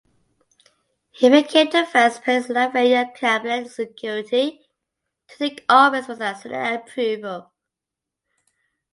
He became the first Pennsylvania Cabinet secretary to take office without Senate approval.